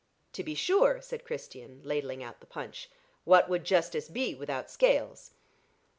"To be sure," said Christian, ladling out the punch. "What would justice be without Scales?"